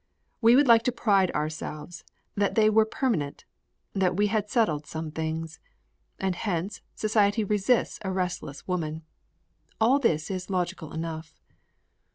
We would like to pride ourselves that they were permanent, that we had settled some things. And hence society resents a restless woman. And this is logical enough.